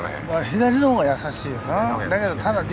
左のほうが易しいよな。